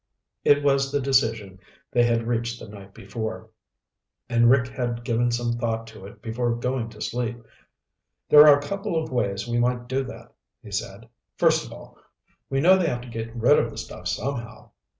It was the decision they had reached the night before, and Rick had given some thought to it before going to sleep. "There are a couple of ways we might do that," he said. "First of all, we know they have to get rid of the stuff somehow.